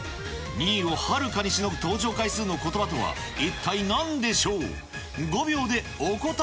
２位をはるかにしのぐ登場回数のことばとは、一体なんでしょう。